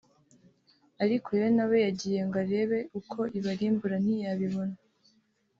Ariko Yona we yagiye ngo arebe uko Ibarimbura ntiyabibona